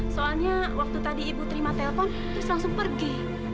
soalnya waktu tadi ibu terima telpon terus langsung pergi